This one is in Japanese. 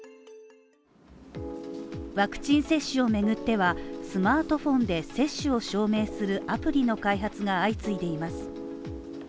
ワクチン接種をめぐっては、スマートフォンで接種を証明するアプリの開発が相次いでいます。